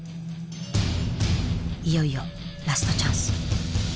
いよいよラストチャンス。